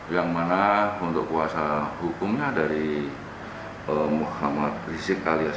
yang mana untuk kuasa hukumnya dari muhammad rizik alias